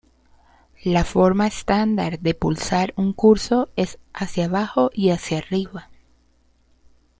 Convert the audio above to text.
La forma estándar de pulsar un curso es hacia abajo y hacia arriba.